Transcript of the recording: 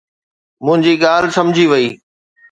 منهنجي ڳالهه سمجهي وئي